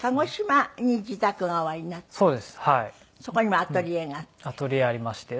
そこにもアトリエがあって。